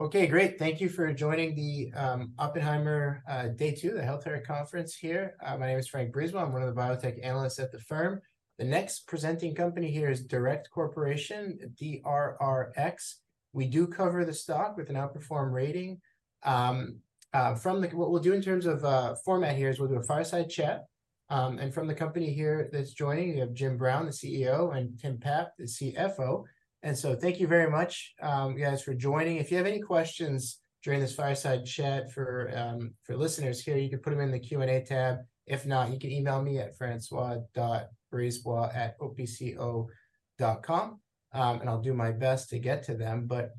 Okay, great. Thank you for joining the Oppenheimer day two, the Healthcare Conference here. My name is François Brisebois. I'm one of the biotech analysts at the firm. The next presenting company here is DURECT Corporation, DRRX. We do cover the stock with an outperform rating. What we'll do in terms of format here is we'll do a fireside chat. And from the company here that's joining, we have Jim Brown, the CEO, and Tim Papp, the CFO. And so thank you very much, you guys, for joining. If you have any questions during this fireside chat for listeners here, you can put them in the Q&A tab. If not, you can email me at francois.brisebois@opco.com, and I'll do my best to get to them. But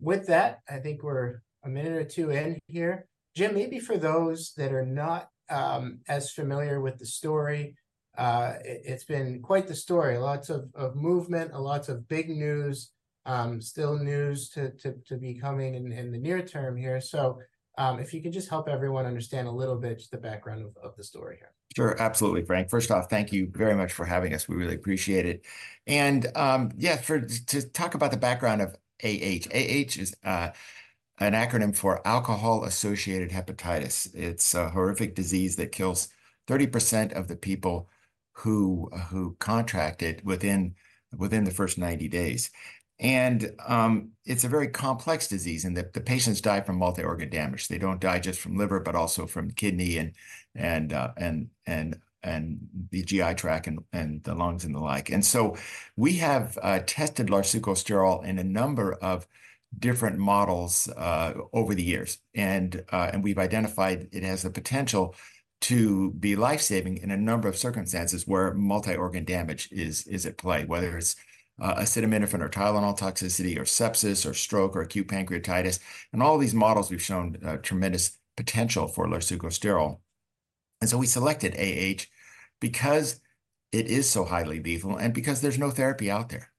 with that, I think we're a minute or two in here. Jim, maybe for those that are not as familiar with the story, it, it's been quite the story. Lots of movement and lots of big news, still news to be coming in the near term here. So if you could just help everyone understand a little bit just the background of the story here. Sure, absolutely, Frank. First off, thank you very much for having us. We really appreciate it. To talk about the background of AH. AH is an acronym for alcohol-associated hepatitis. It's a horrific disease that kills 30% of the people who contract it within the first 90 days. It's a very complex disease, and the patients die from multi-organ damage. They don't die just from liver, but also from kidney, and the GI tract, and the lungs, and the like. So we have tested larsucosterol in a number of different models over the years. We've identified it has the potential to be life-saving in a number of circumstances where multi-organ damage is at play, whether it's acetaminophen or Tylenol toxicity, or sepsis, or stroke, or acute pancreatitis. In all these models, we've shown tremendous potential for larsucosterol. And so we selected AH because it is so highly lethal, and because there's no therapy out there.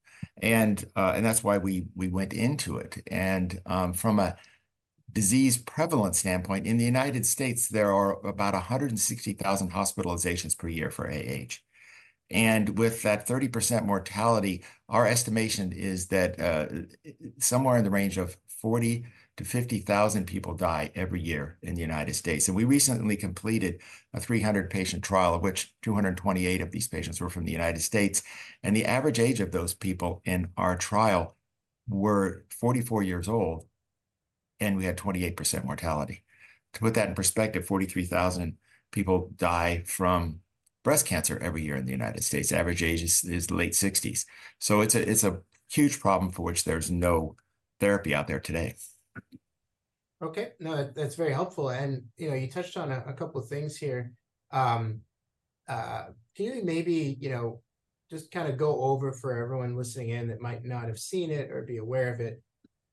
And that's why we went into it. From a disease prevalence standpoint, in the United States, there are about 160,000 hospitalizations per year for AH. And with that 30% mortality, our estimation is that somewhere in the range of 40,000-50,000 people die every year in the United States. We recently completed a 300-patient trial, of which 228 of these patients were from the United States. The average age of those people in our trial were 44 years old, and we had 28% mortality. To put that in perspective, 43,000 people die from breast cancer every year in the United States. Average age is, is late sixties. So it's a, it's a huge problem for which there's no therapy out there today. Okay. No, that's very helpful, and, you know, you touched on a, a couple of things here. Can you maybe, you know, just kind of go over for everyone listening in that might not have seen it or be aware of it,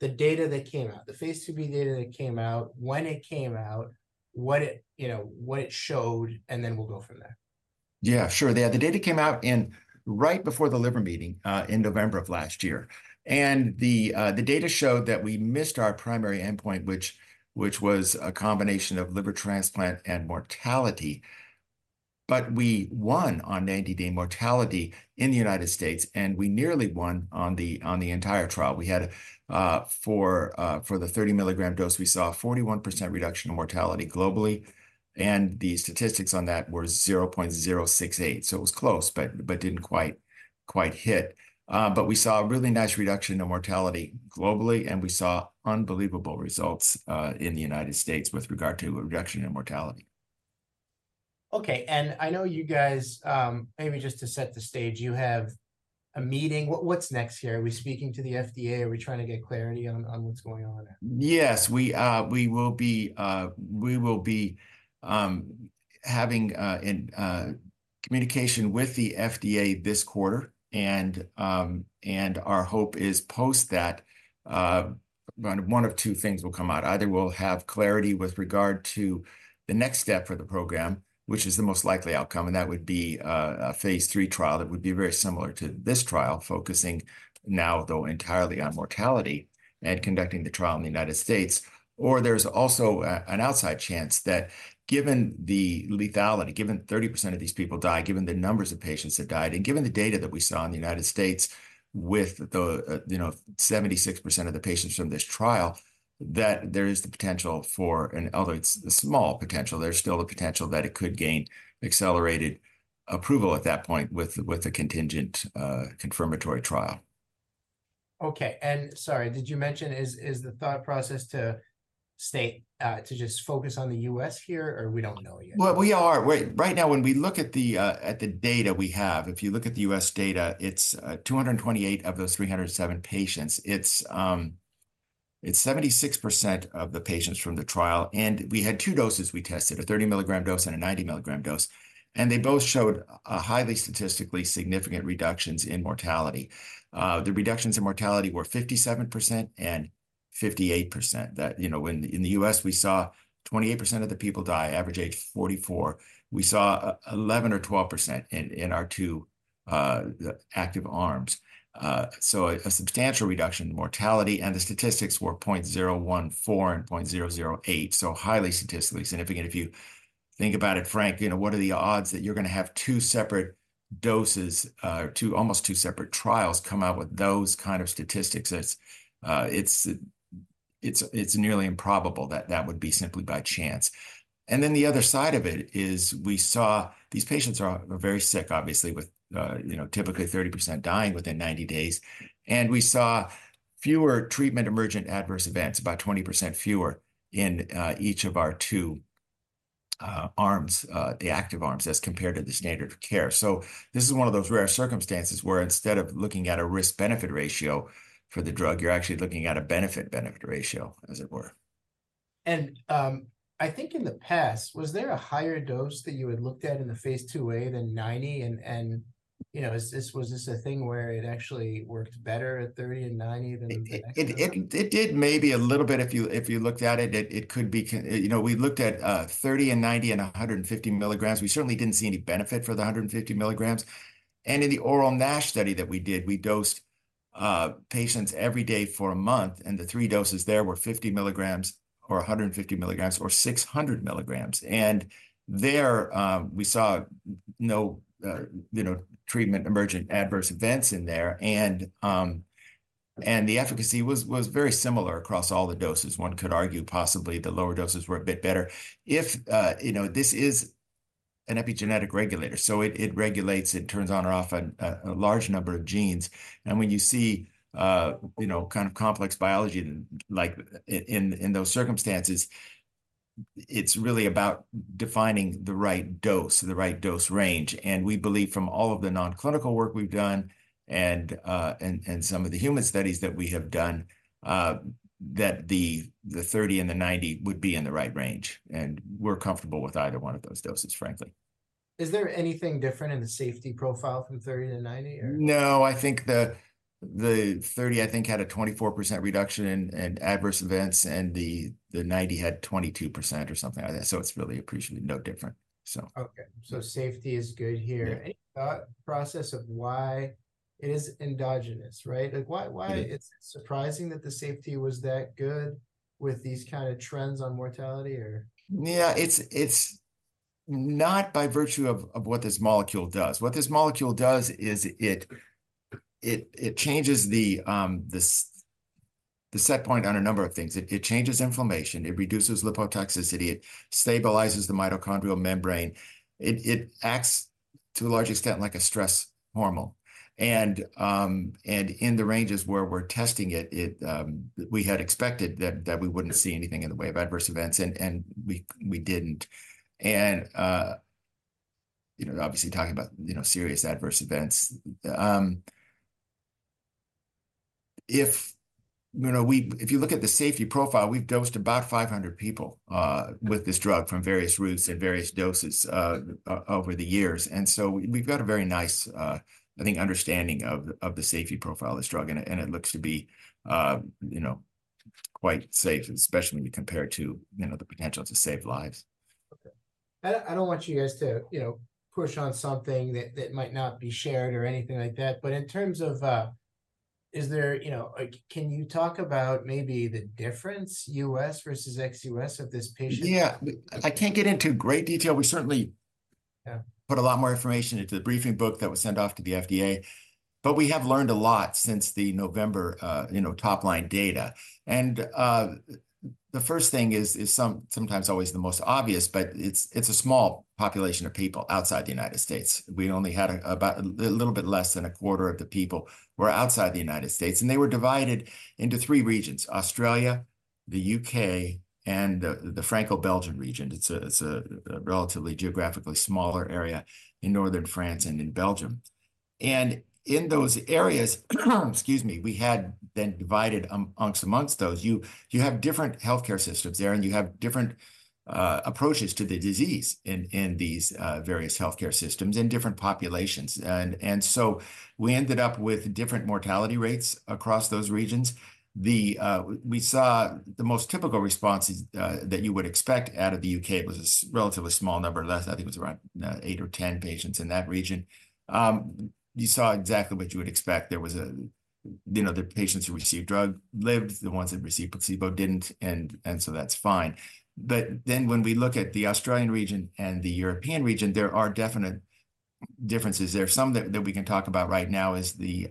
the data that came out, the phase IIb data that came out, when it came out, what it, you know, what it showed, and then we'll go from there? Yeah, sure. The data came out right before the Liver Meeting in November of last year. And the data showed that we missed our primary endpoint, which was a combination of liver transplant and mortality, but we won on 90-day mortality in the United States, and we nearly won on the entire trial. We had for the 30 milligram dose, we saw a 41% reduction in mortality globally, and the statistics on that were 0.068. So it was close, but didn't quite hit. But we saw a really nice reduction in mortality globally, and we saw unbelievable results in the United States with regard to a reduction in mortality. Okay, and I know you guys, maybe just to set the stage, you have a meeting. What's next here? Are we speaking to the FDA? Are we trying to get clarity on what's going on there? Yes, we will be having communication with the FDA this quarter. And our hope is, post that, one of two things will come out. Either we'll have clarity with regard to the next step for the program, which is the most likely outcome, and that would be a phase III trial. That would be very similar to this trial, focusing now, though, entirely on mortality and conducting the trial in the United States. Or there's also an outside chance that given the lethality, given 30% of these people die, given the numbers of patients that died, and given the data that we saw in the United States with the, you know, 76% of the patients from this trial, that there is the potential for... And although it's a small potential, there's still the potential that it could gain accelerated approval at that point with the contingent confirmatory trial. Okay, and sorry, did you mention is the thought process to stay, to just focus on the U.S. here, or we don't know yet? Well, we are. Right now, when we look at the, at the data we have, if you look at the U.S. data, it's 228 of those 307 patients. It's 76% of the patients from the trial, and we had two doses we tested, a 30 milligram dose and a 90 milligram dose, and they both showed a highly statistically significant reductions in mortality. The reductions in mortality were 57% and 58%. That, you know, when in the U.S., we saw 28% of the people die, average age 44. We saw eleven or 12% in our two active arms. So a substantial reduction in mortality, and the statistics were 0.014 and 0.008, so highly statistically significant. If you think about it, Frank, you know, what are the odds that you're gonna have two separate doses, two, almost two separate trials come out with those kind of statistics, it's nearly improbable that that would be simply by chance. And then the other side of it is we saw these patients are, were very sick, obviously, with, you know, typically 30% dying within 90 days. And we saw fewer treatment-emergent adverse events, about 20% fewer in each of our two arms, the active arms, as compared to the standard of care. So this is one of those rare circumstances where instead of looking at a risk-benefit ratio for the drug, you're actually looking at a benefit-benefit ratio, as it were. And, I think in the past, was there a higher dose that you had looked at in the phase IIa than 90? And, you know, is this- was this a thing where it actually worked better at 30 and 90 than the- It did maybe a little bit if you looked at it. It could be... You know, we looked at 30 and 90 and 150 milligrams. We certainly didn't see any benefit for the 150 milligrams. And in the oral NASH study that we did, we dosed patients every day for a month, and the three doses there were 50 milligrams, or 150 milligrams, or 600 milligrams. And there, we saw no, you know, treatment-emergent adverse events in there, and the efficacy was very similar across all the doses. One could argue possibly the lower doses were a bit better. If you know, this is an epigenetic regulator, so it regulates, it turns on or off a large number of genes. When you see, you know, kind of complex biology, like, in those circumstances, it's really about defining the right dose, the right dose range. We believe from all of the non-clinical work we've done and some of the human studies that we have done that the 30 and the 90 would be in the right range, and we're comfortable with either one of those doses, frankly. Is there anything different in the safety profile from 30-90, or? No, I think the 30, I think, had a 24% reduction in adverse events, and the 90 had 22% or something like that, so it's really appreciated. No different, so. Okay, so safety is good here. Yeah. process of why it is endogenous, right? Like, why- Yeah... why is it surprising that the safety was that good with these kind of trends on mortality or? Yeah, it's not by virtue of what this molecule does. What this molecule does is it changes the set point on a number of things. It changes inflammation, it reduces lipotoxicity, it stabilizes the mitochondrial membrane. It acts, to a large extent, like a stress hormone. And in the ranges where we're testing it, it... We had expected that we wouldn't see anything in the way of adverse events, and we didn't. And you know, obviously, talking about, you know, serious adverse events. If you know, if you look at the safety profile, we've dosed about 500 people with this drug from various routes at various doses over the years. And so we've got a very nice, I think, understanding of the safety profile of this drug, and it looks to be, you know, quite safe, especially when you compare it to, you know, the potential to save lives. Okay. I don't want you guys to, you know, push on something that might not be shared or anything like that, but in terms of, is there, you know, like, can you talk about maybe the difference U.S. versus ex-U.S. of this patient? Yeah. I can't get into great detail. We certainly- Yeah... put a lot more information into the briefing book that was sent off to the FDA, but we have learned a lot since the November, you know, top-line data. The first thing is sometimes always the most obvious, but it's a small population of people outside the United States. We only had about a little bit less than a quarter of the people were outside the United States, and they were divided into three regions: Australia, the U.K., and the Franco-Belgian region. It's a relatively geographically smaller area in northern France and in Belgium. In those areas, excuse me, we had then divided amongst those. You have different healthcare systems there, and you have different approaches to the disease in these various healthcare systems and different populations. And so we ended up with different mortality rates across those regions. The, we saw the most typical responses that you would expect out of the U.K. It was a relatively small number, less, I think it was around eight or 10 patients in that region. You saw exactly what you would expect. There was a... You know, the patients who received drug lived, the ones that received placebo didn't, and so that's fine. But then, when we look at the Australian region and the European region, there are definite differences there. Some that we can talk about right now is the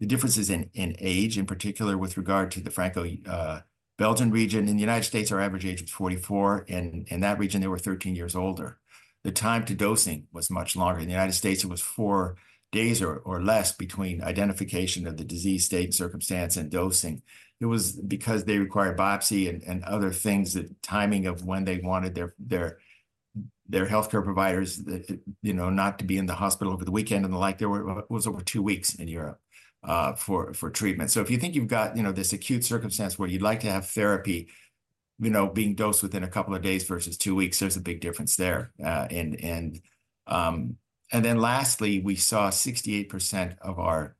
differences in age, in particular, with regard to the Franco-Belgian region. In the United States, our average age was 44, and in that region, they were 13 years older. The time to dosing was much longer. In the United States, it was 4 days or less between identification of the disease state and circumstance and dosing. It was because they required biopsy and other things, the timing of when they wanted their healthcare providers, that, you know, not to be in the hospital over the weekend and the like. There was over 2 weeks in Europe for treatment. So if you think you've got, you know, this acute circumstance where you'd like to have therapy, you know, being dosed within a couple of days versus 2 weeks, there's a big difference there. And then lastly, we saw 68% of our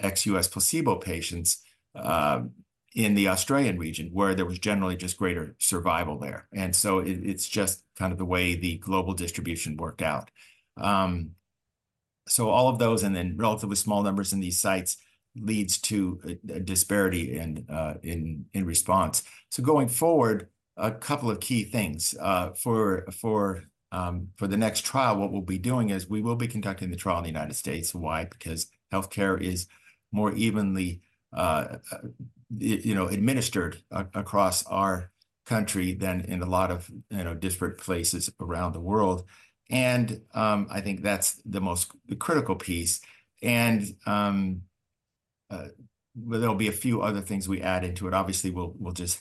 ex-U.S. placebo patients in the Australian region, where there was generally just greater survival there. So it's just kind of the way the global distribution worked out. So all of those, and then relatively small numbers in these sites, leads to a disparity in response. So going forward, a couple of key things. For the next trial, what we'll be doing is we will be conducting the trial in the United States. Why? Because healthcare is more evenly you know, administered across our country than in a lot of you know, disparate places around the world. I think that's the most critical piece. Well, there'll be a few other things we add into it. Obviously, we'll just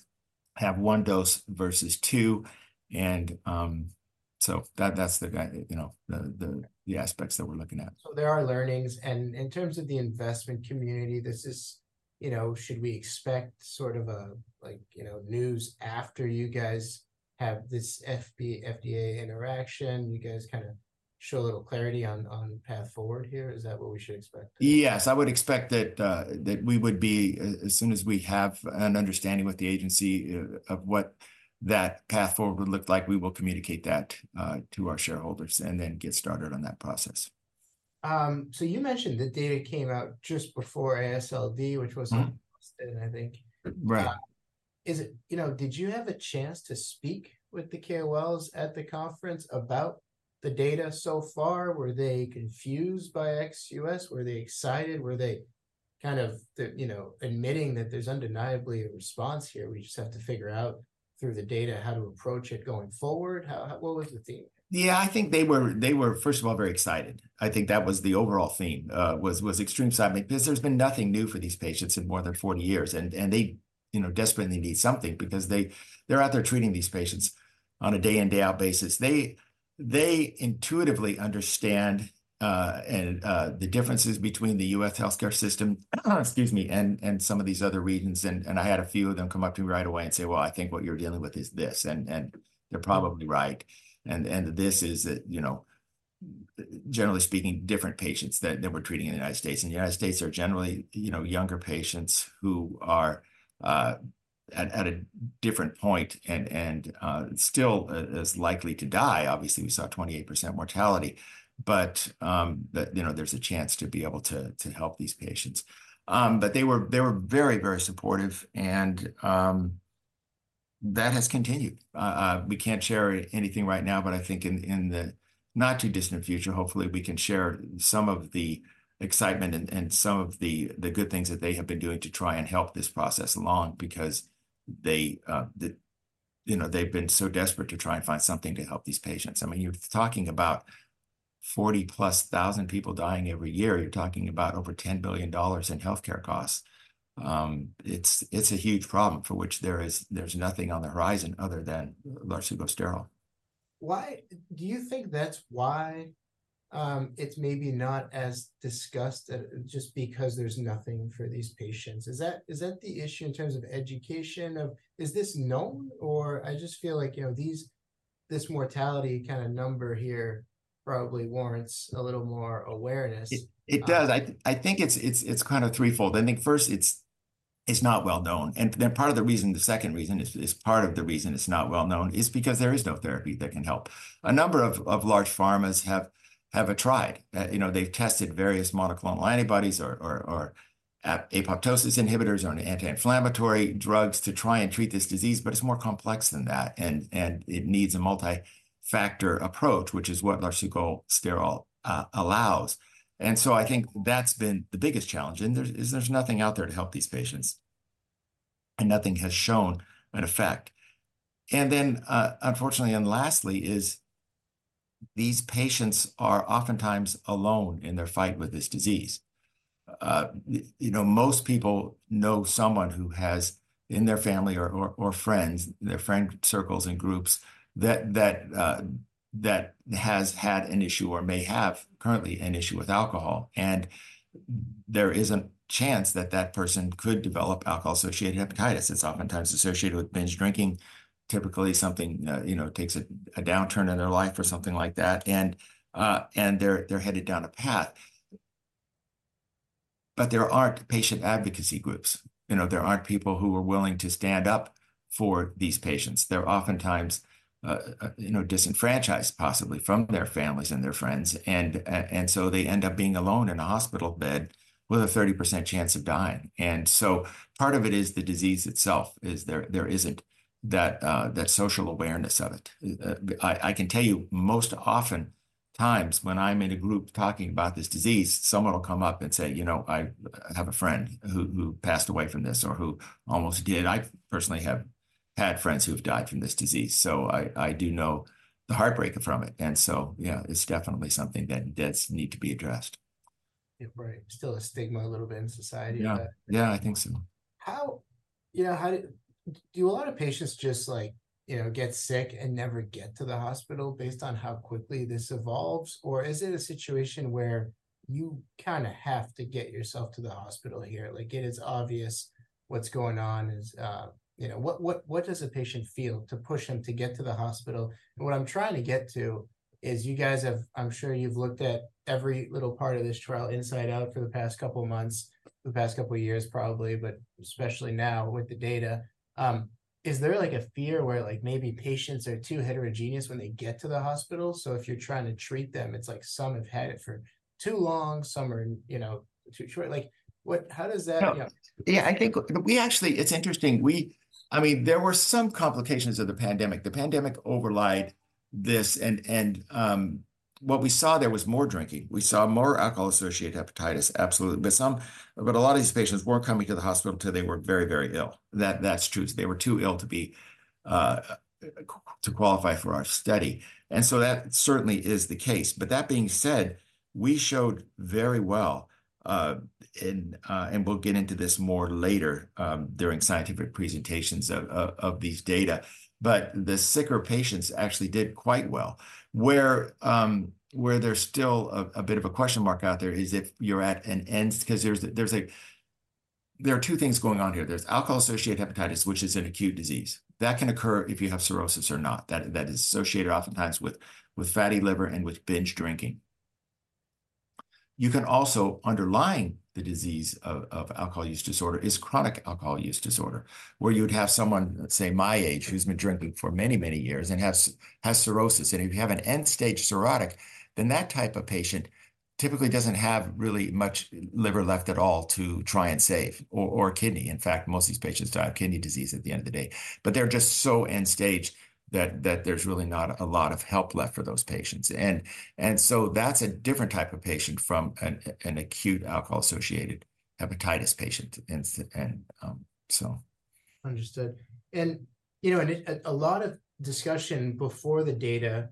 have one dose versus two, and so that's you know, the aspects that we're looking at. So there are learnings, and in terms of the investment community, this is, you know, should we expect sort of a, like, you know, news after you guys have this FDA interaction, you guys kind of show a little clarity on the path forward here? Is that what we should expect? Yes, I would expect that we would be as soon as we have an understanding with the agency of what that path forward would look like. We will communicate that to our shareholders and then get started on that process. So you mentioned the data came out just before AASLD, which was- Mm-hmm... I think. Right. Is it? You know, did you have a chance to speak with the KOLs at the conference about the data so far? Were they confused by XUS? Were they excited? Were they kind of, you know, admitting that there's undeniably a response here, we just have to figure out through the data how to approach it going forward? How, what was the theme? Yeah, I think they were, first of all, very excited. I think that was the overall theme was extreme excitement. Because there's been nothing new for these patients in more than 40 years, and they, you know, desperately need something because they're out there treating these patients on a day-in, day-out basis. They intuitively understand the differences between the U.S. healthcare system, excuse me, and some of these other regions. And I had a few of them come up to me right away and say: "Well, I think what you're dealing with is this," and they're probably right. And this is that, you know, generally speaking, different patients that we're treating in the United States. In the United States, they're generally, you know, younger patients who are at a different point and still as likely to die. Obviously, we saw 28% mortality, but, you know, there's a chance to be able to help these patients. But they were, they were very, very supportive, and that has continued. We can't share anything right now, but I think in the not-too-distant future, hopefully, we can share some of the excitement and some of the good things that they have been doing to try and help this process along because they, you know, they've been so desperate to try and find something to help these patients. I mean, you're talking about 40,000+ people dying every year. You're talking about over $10 billion in healthcare costs. It's a huge problem for which there's nothing on the horizon other than larsucosterol. Why do you think that's why it's maybe not as discussed just because there's nothing for these patients? Is that, is that the issue in terms of education, of is this known, or I just feel like, you know, these, this mortality kind of number here probably warrants a little more awareness? It does. I think it's kind of threefold. I think first, it's not well known, and then part of the reason, the second reason is part of the reason it's not well known, is because there is no therapy that can help. A number of large pharmas have tried. You know, they've tested various monoclonal antibodies or apoptosis inhibitors, or anti-inflammatory drugs to try and treat this disease, but it's more complex than that, and it needs a multi-factor approach, which is what larsucosterol allows. And so I think that's been the biggest challenge, and there's nothing out there to help these patients, and nothing has shown an effect. And then, unfortunately, lastly, these patients are oftentimes alone in their fight with this disease. You know, most people know someone who has, in their family or friends, their friend circles and groups, that has had an issue or may have currently an issue with alcohol. There is a chance that that person could develop alcohol-associated hepatitis. It's oftentimes associated with binge drinking, typically, something takes a downturn in their life or something like that, and they're headed down a path. But there aren't patient advocacy groups, you know, there aren't people who are willing to stand up for these patients. They're oftentimes disenfranchised possibly from their families and their friends, and so they end up being alone in a hospital bed with a 30% chance of dying. And so part of it is the disease itself. There isn't that social awareness of it. I can tell you, most often times when I'm in a group talking about this disease, someone will come up and say: "You know, I have a friend who passed away from this or who almost did." I personally have had friends who have died from this disease, so I do know the heartbreak from it, and so yeah, it's definitely something that does need to be addressed. Yeah, right. Still a stigma a little bit in society that- Yeah. Yeah, I think so. How, you know, did a lot of patients just like, you know, get sick and never get to the hospital based on how quickly this evolves? Or is it a situation where you kind of have to get yourself to the hospital here, like it is obvious what's going on is. You know, what, what, what does a patient feel to push them to get to the hospital? And what I'm trying to get to is, you guys have. I'm sure you've looked at every little part of this trial inside out for the past couple of months, the past couple of years, probably, but especially now with the data. Is there, like, a fear where, like, maybe patients are too heterogeneous when they get to the hospital? If you're trying to treat them, it's like someone have had it for too long. Some are, you know, too short. Like, what, how does that- No. Yeah. Yeah, I think we actually. It's interesting. I mean, there were some complications of the pandemic. The pandemic overlaid this, and what we saw there was more drinking. We saw more alcohol-associated hepatitis, absolutely. But a lot of these patients weren't coming to the hospital until they were very, very ill. That's true. They were too ill to qualify for our study, and so that certainly is the case. But that being said, we showed very well, and we'll get into this more later during scientific presentations of these data, but the sicker patients actually did quite well. Where there's still a bit of a question mark out there is if you're at an end— 'cause there are two things going on here. There's alcohol-associated hepatitis, which is an acute disease. That can occur if you have cirrhosis or not, that is associated oftentimes with fatty liver and binge drinking. You can also, underlying the disease of alcohol use disorder, is chronic alcohol use disorder, where you'd have someone, let's say, my age, who's been drinking for many, many years and has cirrhosis. And if you have an end-stage cirrhotic, then that type of patient typically doesn't have really much liver left at all to try and save, or kidney. In fact, most of these patients die of kidney disease at the end of the day. But they're just so end-stage that there's really not a lot of help left for those patients. And so that's a different type of patient from an acute alcohol-associated hepatitis patient, and so. Understood. You know, and a lot of discussion before the data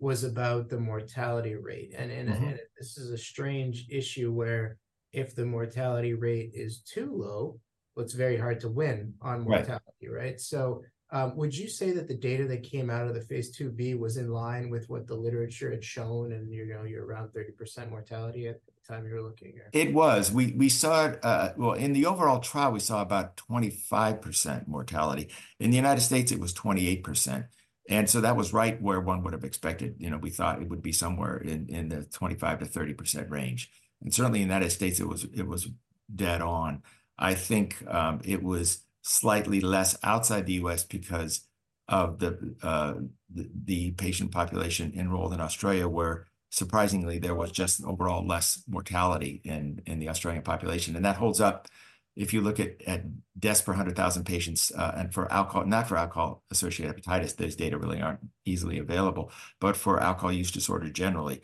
was about the mortality rate. Mm-hmm. This is a strange issue where if the mortality rate is too low, well, it's very hard to win on- Right... mortality, right? So, would you say that the data that came out of the phase IIb was in line with what the literature had shown, and, you know, you're around 30% mortality at the time you were looking at it? It was. We saw it. Well, in the overall trial, we saw about 25% mortality. In the United States, it was 28%, and so that was right where one would have expected. You know, we thought it would be somewhere in the 25%-30% range. And certainly in the United States, it was dead on. I think it was slightly less outside the U.S. because of the patient population enrolled in Australia, where surprisingly there was just overall less mortality in the Australian population. And that holds up if you look at deaths per 100,000 patients, and for alcohol, not for alcohol-associated hepatitis, those data really aren't easily available, but for alcohol use disorder generally.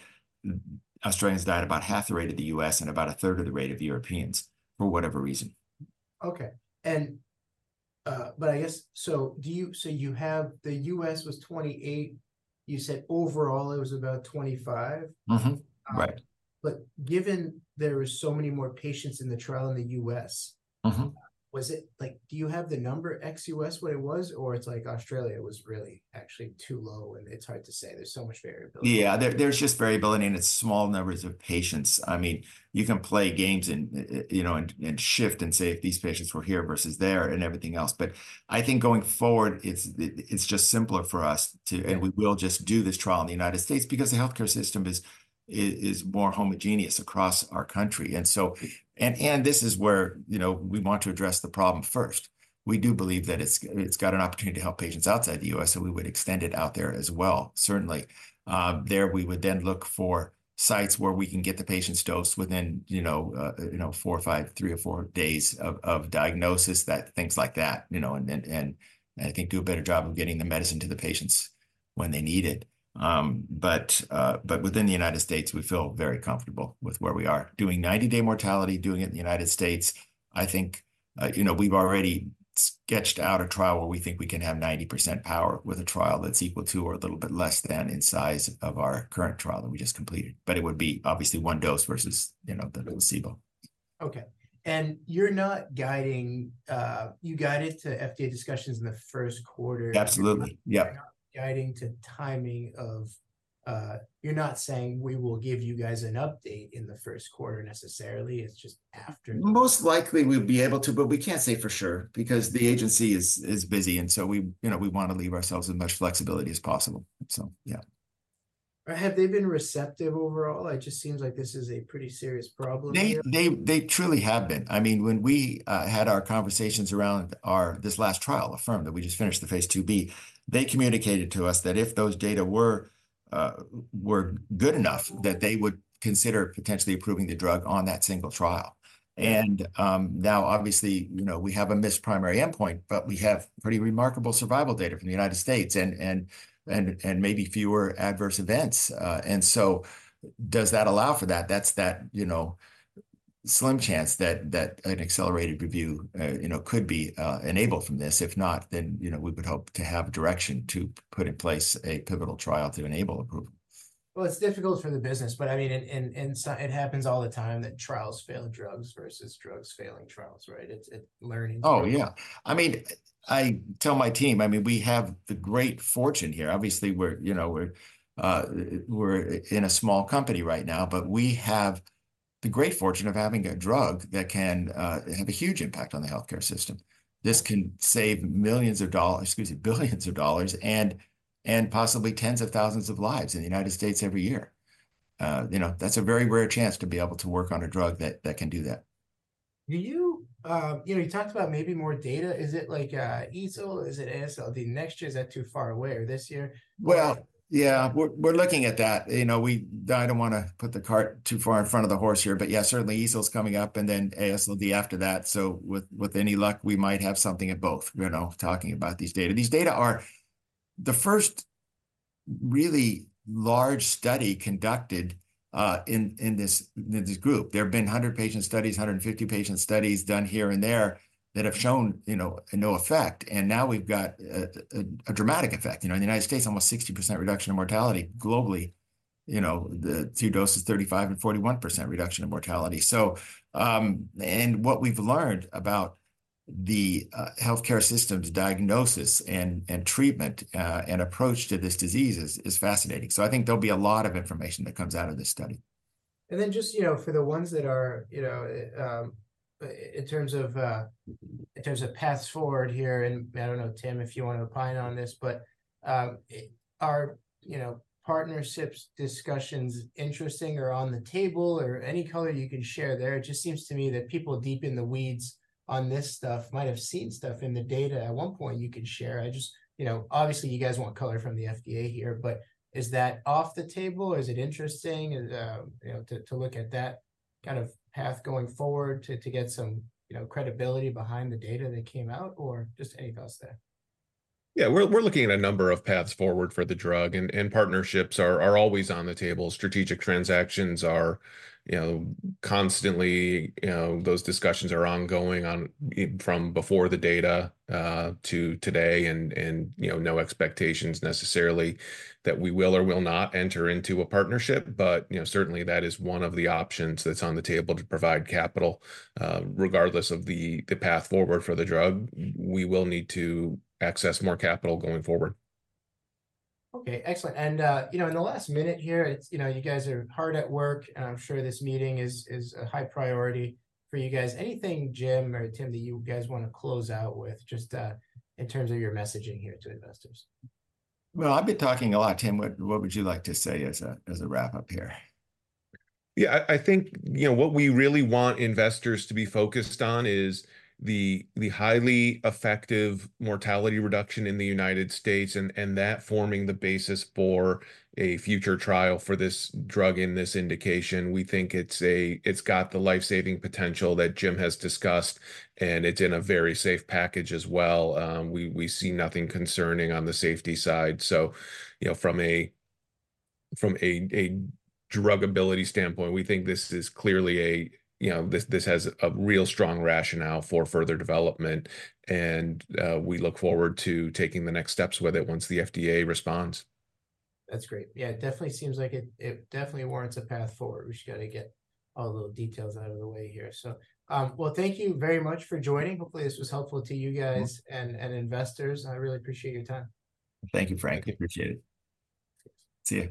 Australians die at about half the rate of the U.S. and about a third of the rate of Europeans, for whatever reason. Okay, but I guess... So do you have the U.S. was 28. You said overall it was about 25? Mm-hmm. Right. Given there were so many more patients in the trial in the U.S.- Mm-hmm... was it, like, do you have the number ex-U.S., what it was? Or it's like Australia was really actually too low, and it's hard to say, there's so much variability? Yeah, there's just variability, and it's small numbers of patients. I mean, you can play games and, you know, and shift and say, if these patients were here versus there, and everything else. But I think going forward, it's just simpler for us to... And we will just do this trial in the United States because the healthcare system is more homogeneous across our country. And so. And this is where, you know, we want to address the problem first. We do believe that it's got an opportunity to help patients outside the U.S., so we would extend it out there as well, certainly. There, we would then look for sites where we can get the patients dosed within, you know, 4 or 5, 3 or 4 days of diagnosis, things like that, you know, and I think do a better job of getting the medicine to the patients when they need it. But within the United States, we feel very comfortable with where we are. Doing 90-day mortality, doing it in the United States, I think, you know, we've already sketched out a trial where we think we can have 90% power with a trial that's equal to or a little bit less than in size of our current trial that we just completed, but it would be obviously one dose versus, you know, the placebo. Okay, and you're not guiding. You guided to FDA discussions in the first quarter. Absolutely. Yeah. You're not guiding to timing of, You're not saying, "We will give you guys an update in the first quarter," necessarily. It's just after. Most likely we'll be able to, but we can't say for sure, because the agency is busy, and so we, you know, we want to leave ourselves as much flexibility as possible. So, yeah. Have they been receptive overall? It just seems like this is a pretty serious problem. They truly have been. I mean, when we had our conversations around our this last trial, AHFIRM, that we just finished, the phase IIb, they communicated to us that if those data were good enough, that they would consider potentially approving the drug on that single trial. And now, obviously, you know, we have a missed primary endpoint, but we have pretty remarkable survival data from the United States and maybe fewer adverse events. And so does that allow for that? That's that, you know, slim chance that an accelerated review could be enabled from this. If not, then, you know, we would hope to have direction to put in place a pivotal trial to enable approval. Well, it's difficult for the business, but I mean, so it happens all the time that trials fail drugs versus drugs failing trials, right? It's learning. Oh, yeah. I mean, I tell my team, I mean, we have the great fortune here. Obviously, we're, you know, we're, we're in a small company right now, but we have the great fortune of having a drug that can have a huge impact on the healthcare system. This can save $ millions, excuse me, $ billions, and possibly tens of thousands of lives in the United States every year. You know, that's a very rare chance to be able to work on a drug that can do that. Do you? You know, you talked about maybe more data. Is it like EASL? Is it AASLD next year? Is that too far away, or this year? Well, yeah, we're, we're looking at that. You know, we-- I don't wanna put the cart too far in front of the horse here, but yeah, certainly EASL's coming up, and then AASLD after that. So with, with any luck, we might have something at both, you know, talking about these data. These data are the really large study conducted in this group. There have been 100-patient studies, 150-patient studies done here and there that have shown, you know, no effect, and now we've got a dramatic effect. You know, in the United States, almost 60% reduction in mortality. Globally, you know, the two doses, 35% and 41% reduction in mortality. So, and what we've learned about the healthcare system's diagnosis and treatment and approach to this disease is fascinating. I think there'll be a lot of information that comes out of this study. Then just, you know, for the ones that are, you know, in terms of paths forward here, and I don't know, Tim, if you wanna opine on this, but are, you know, partnerships discussions interesting or on the table or any color you can share there? It just seems to me that people deep in the weeds on this stuff might have seen stuff in the data at one point you could share. I just... You know, obviously you guys want color from the FDA here, but is that off the table? Is it interesting, you know, to look at that kind of path going forward to get some, you know, credibility behind the data that came out, or just any thoughts there? Yeah, we're looking at a number of paths forward for the drug, and partnerships are always on the table. Strategic transactions are, you know, constantly... You know, those discussions are ongoing from before the data to today, and, you know, no expectations necessarily that we will or will not enter into a partnership. But, you know, certainly that is one of the options that's on the table to provide capital. Regardless of the path forward for the drug, we will need to access more capital going forward. Okay, excellent. You know, in the last minute here, it's, you know, you guys are hard at work, and I'm sure this meeting is a high priority for you guys. Anything, Jim or Tim, that you guys wanna close out with, just in terms of your messaging here to investors? Well, I've been talking a lot. Tim, what would you like to say as a wrap-up here? Yeah, I think, you know, what we really want investors to be focused on is the highly effective mortality reduction in the United States, and that forming the basis for a future trial for this drug and this indication. We think it's a, it's got the life-saving potential that Jim has discussed, and it's in a very safe package as well. We see nothing concerning on the safety side. So, you know, from a druggability standpoint, we think this is clearly a, you know, this has a real strong rationale for further development, and we look forward to taking the next steps with it once the FDA responds. That's great. Yeah, it definitely seems like it, it definitely warrants a path forward. We've just gotta get all the little details out of the way here. So, well, thank you very much for joining. Hopefully, this was helpful to you guys- Mm... and investors, and I really appreciate your time. Thank you, Frank. I appreciate it. See you.